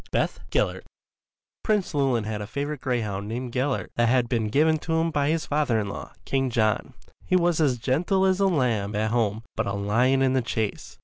Beth Gellert Prince Llewelyn had a favourite greyhound named Gellert that had been given to him by his father in law, King John. He was as gentle as a lamb at home but a lion in the chase.